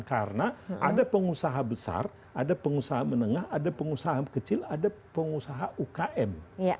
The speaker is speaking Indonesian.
karena ada pengusaha besar ada pengusaha menengah ada pengusaha kecil ada pengusaha ukm